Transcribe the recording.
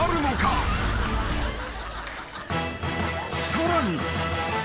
［さらに］